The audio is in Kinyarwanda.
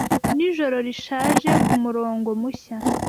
nijoro rishaje kumurongo mushya